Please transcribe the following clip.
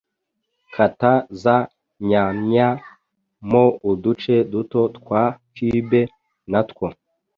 Kata za nyamya mo uduce duto twa cube natwo